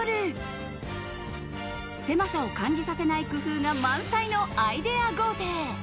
狭さを感じさせない工夫が満載のアイデア豪邸。